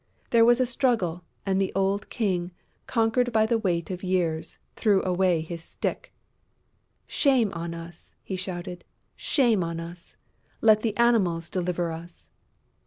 There was a struggle; and the old King, conquered by the weight of years, threw away his stick: "Shame on us!" he shouted. "Shame on us! Let the Animals deliver us!..."